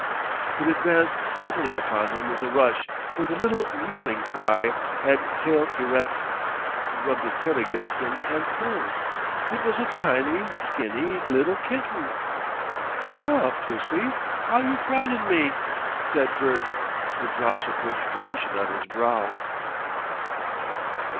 It advanced suddenly upon him with a rush, with a little meawling cry and tail erect. It rubbed its head against him and purred. It was a tiny, skinny little kitten. "Gaw, Pussy! 'ow you frightened me!" said Bert, with drops of perspiration on his brow.